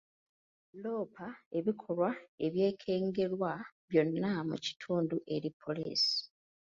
Loopa ebikolwa ebyekengerwa byonna mu kitundu eri poliisi.